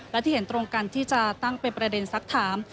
และที่เห็นตรงกันที่จะตั้งเป็นประเด็นสักถาม